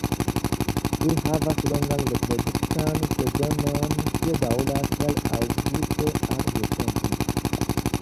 Ili havas longan reproduktan sezonon, kio daŭras el aŭgusto al decembro.